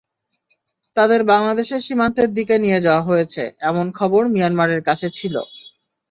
তাঁদের বাংলাদেশের সীমান্তের দিকে নিয়ে যাওয়া হয়েছে—এমন খবর মিয়ানমারের কাছে ছিল।